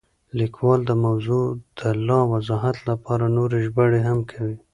لیکوال د موضوع د لا وضاحت لپاره نورې ژباړې هم کوي.